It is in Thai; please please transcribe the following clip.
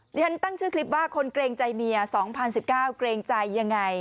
ฉันตั้งชื่อคลิปว่าคนเกรงใจเมีย๒๐๑๙เกรงใจยังไง